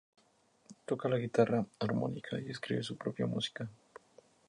Toca la guitarra, armónica, y escribe su propia música.